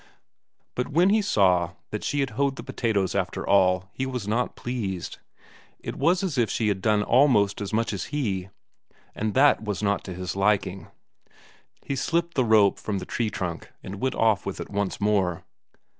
But when he saw that she had hoed the potatoes after all he was not pleased. It was as if she had done almost as much as he; and that was not to his liking. He slipped the rope from the tree trunk and went off with it once more.